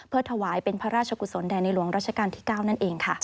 ถวายเป็นพระราชกุศลแด่ในหลวงราชการที่๙นั่นเองค่ะ